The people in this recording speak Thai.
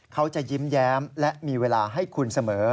เขาจะยิ้มแย้มและมีเวลาให้คุณเสมอ